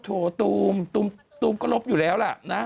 โถตูมก็ลบอยู่แล้วล่ะนะ